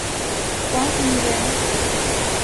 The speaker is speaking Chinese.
王羽人。